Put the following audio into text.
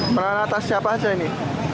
menang atas siapa aja ini